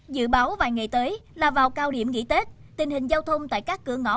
dự báo vài ngày tới là vào cao điểm nghỉ tết tình hình giao thông tại các cửa ngõ